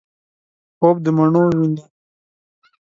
خوب دمڼو وویني